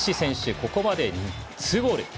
ここまで２ゴール。